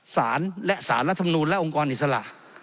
สารและสารรัฐมนูลและองค์กรอิสระ